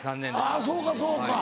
あぁそうかそうか。